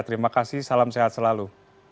terima kasih salam sehat selalu